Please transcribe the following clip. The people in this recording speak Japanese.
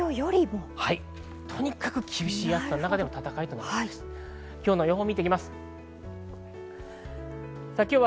とにかく厳しい暑さの中での戦いとなりそうです。